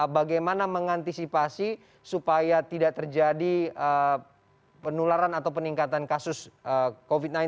bagaimana mengantisipasi supaya tidak terjadi penularan atau peningkatan kasus covid sembilan belas